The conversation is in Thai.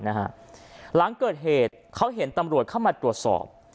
หลังเกิดเหตุเขาเห็นตำรวจเข้ามาตรวจสอบ